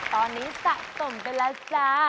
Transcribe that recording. ตอนนี้สะสมไปแล้วจ้า